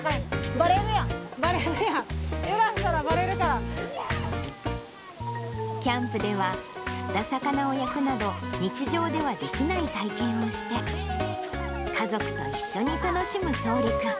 ばれるやん、揺らしたらばれるかキャンプでは、釣った魚を焼くなど、日常ではできない体験をして、家族と一緒に楽しむそうり君。